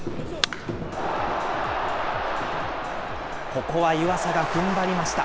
ここは湯浅がふんばりました。